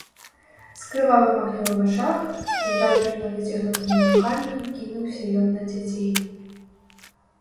З крывавым агнём у вачах, з драпежна выцягнутымі рукамі кінуўся ён на дзяцей.